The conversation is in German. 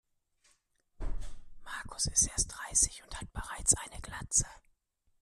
Markus ist erst dreißig und hat bereits eine Glatze.